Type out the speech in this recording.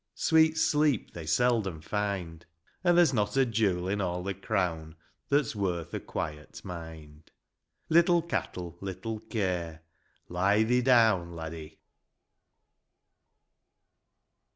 Sweet sleep they seldom find; An' there's not a jewel in all the crown That's worth a quiet mind. Little cattle, little care ; Lie thee down, Laddie